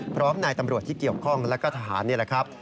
นายตำรวจที่เกี่ยวข้องและก็ทหารนี่แหละครับ